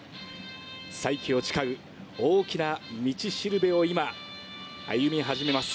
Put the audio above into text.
再起を誓う大きな道しるべを今、歩み始めます。